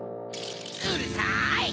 うるさい！